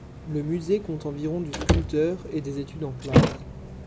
Le musée compte environ du sculpteur et des études en plâtre.